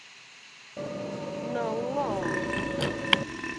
Non, oh!